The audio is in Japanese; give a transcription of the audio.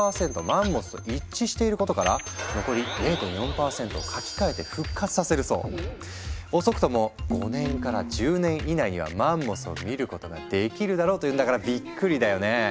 マンモスと一致していることから「遅くとも５年から１０年以内にはマンモスを見ることができるだろう」というんだからびっくりだよね！